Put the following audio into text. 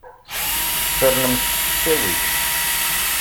Fernemt s ttawil.